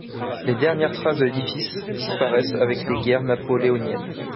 Les dernières traces de l'édifice disparaissent avec les guerres napoléoniennes.